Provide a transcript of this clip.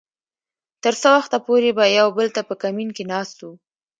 تر څه وخته پورې به يو بل ته په کمين کې ناست وو .